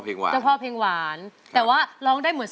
แผ่นไหนครับ